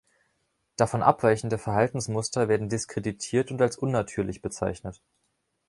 Davon abweichende Verhaltensmuster werden diskreditiert und als unnatürlich bezeichnet.